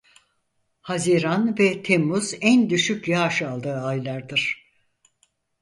Haziran ve Temmuz en düşük yağış aldığı aylardır.